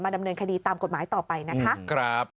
ดำเนินคดีตามกฎหมายต่อไปนะคะ